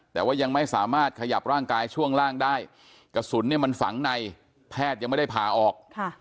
แต่ว่ายังไม่สามารถขยับร่างกายช่วงล่างได้กระสุนเนี่ยมันฝังในแพทย์ยังไม่ได้ผ่าออก